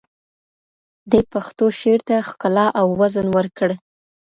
ده پښتو شعر ته ښکلا او وزن ورکړ